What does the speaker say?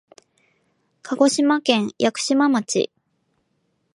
鹿児島県屋久島町